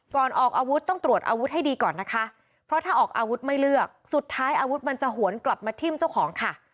ออกอาวุธต้องตรวจอาวุธให้ดีก่อนนะคะเพราะถ้าออกอาวุธไม่เลือกสุดท้ายอาวุธมันจะหวนกลับมาทิ้มเจ้าของค่ะ